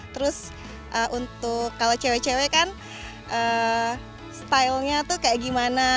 terus untuk kalau cewe cewe kan stylenya tuh kayak gimana